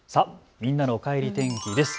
みんなのおかえり天気です。